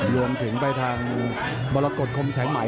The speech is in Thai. รวมถึงไปทางมรกฏคมสายไหม